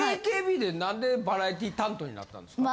ＡＫＢで何でバラエティー担当になったんですか？